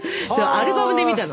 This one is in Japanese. アルバムで見たの。